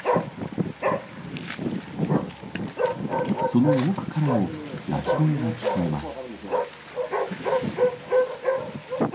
その奥からも鳴き声が聞こえます。